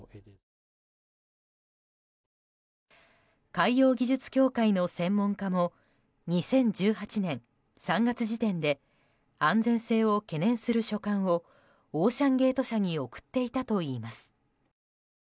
海洋技術協会の専門家も２０１８年３月時点で安全性を懸念する書簡をオーシャン・ゲート社に送っていたといいます。